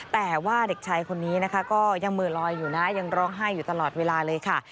แต่ว่าเด็กชายคนนี้นะคะก็ยังเหมือลอยอยู่นะยังร้องไห้อยู่ตลอดเวลาเลยค่ะ